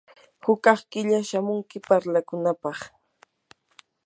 hukaq killa shamunki parlakunapaq.